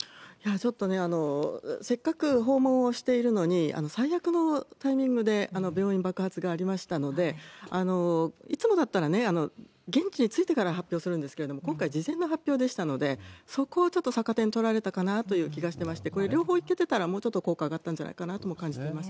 ちょっとね、せっかく訪問をしているのに、最悪のタイミングで病院爆発がありましたので、いつもだったら現地に着いてから発表するんですけれども、今回、事前の発表でしたので、そこをちょっと逆手に取られたかなという気がしてまして、これ、両方行けてたら、もうちょっと効果上がったんじゃないかなと感じています。